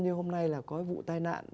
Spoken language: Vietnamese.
như hôm nay là có vụ tai nạn